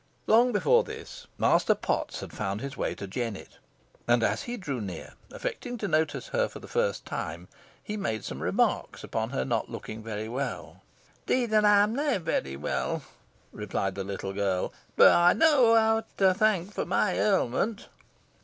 Long before this Master Potts had found his way to Jennet, and as he drew near, affecting to notice her for the first time, he made some remarks upon her not looking very well. "'Deed, an ey'm nah varry weel," replied the little girl, "boh ey knoa who ey han to thonk fo' my ailment."